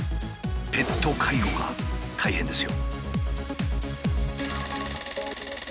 ペット介護が大変ですよ。